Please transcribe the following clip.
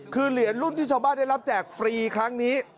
คือเหรียญรุ่นที่ชาวบ้านได้รับแจกฟรีครั้งนี้